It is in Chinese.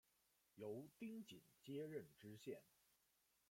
由丁谨接任知县。